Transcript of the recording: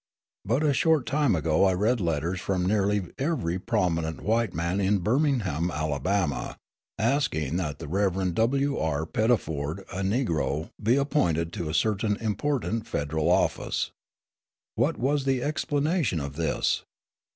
But a short time ago I read letters from nearly every prominent white man in Birmingham, Alabama, asking that the Rev. W. R. Pettiford, a Negro, be appointed to a certain important federal office. What is the explanation of this?